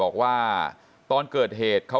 ขอบคุณค่ะ